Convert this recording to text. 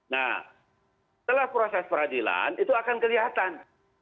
nah setelah proses peradilan itu akan kelihatan